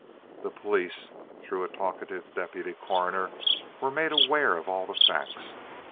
The police, through a talkative deputy coroner, were made aware of all the facts.